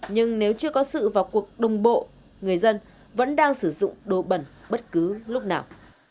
nhưng nếu chưa có sự vào cuộc đồng bộ người dân vẫn đang sử dụng đồ bẩn bất cứ lúc nào